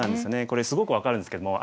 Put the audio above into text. これすごく分かるんですけども。